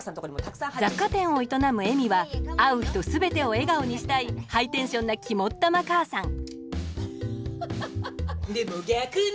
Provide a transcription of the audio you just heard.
雑貨店を営む恵美は会う人全てを笑顔にしたいハイテンションな肝っ玉母さんでも逆に！